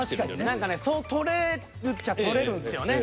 何かそう取れるっちゃ取れるんですよね。